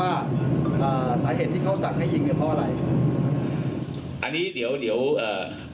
ว่าอ่าสาเหตุที่เขาสั่งให้ยิงเนี่ยเพราะอะไรอันนี้เดี๋ยวเดี๋ยวเอ่อ